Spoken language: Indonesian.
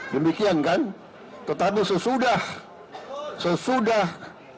demikian kan tetapi sesudah sesudah